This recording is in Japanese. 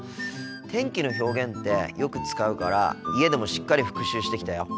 天気の表現ってよく使うから家でもしっかり復習してきたよ。